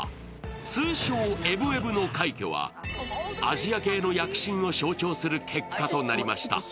通称「エブエブ」の快挙はアジア系の躍進を象徴する結果となりました。